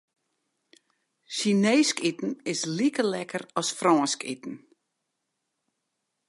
Sjineesk iten is like lekker as Frânsk iten.